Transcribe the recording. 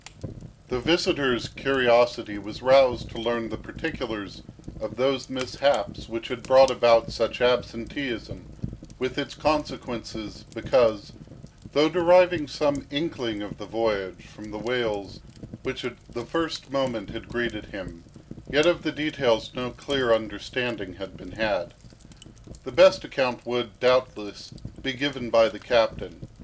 The visitor's curiosity was roused to learn the particulars of those mishaps which had brought about such absenteeism, with its consequences; because, though deriving some inkling of the voyage from the wails which at the first moment had greeted him, yet of the details no clear understanding had been had. The best account would, doubtless, be given by the captain.